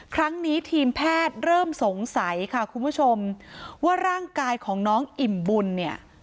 ครั้งนี้ทีมแพทย์เริ่มสงสัยค่ะคุณผู้ชมว่าร่างกายของน้องอิ่มบุญเนี่ย